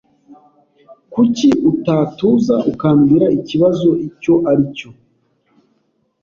Kuki utatuza ukambwira ikibazo icyo ari cyo?